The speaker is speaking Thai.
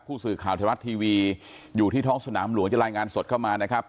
ผู้สื่อข่าวไทยรัฐทีวีอยู่ที่ท้องสนามหลวงจะรายงานสดเข้ามานะครับ